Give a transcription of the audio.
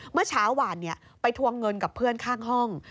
เมื่อเช้าหวานไปทวงเงินกับเพื่อนข้างห้อง